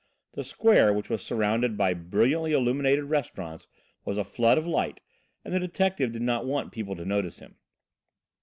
The square, which was surrounded by brilliantly illuminated restaurants, was a flood of light, and the detective did not want people to notice him.